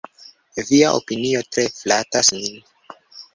Via opinio tre flatas min.